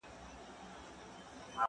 د خدای په لاره کې خیرات وکړئ.